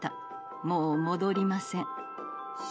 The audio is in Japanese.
もう戻りません」。